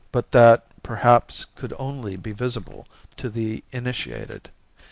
But that, perhaps, could only be visible to the initiated.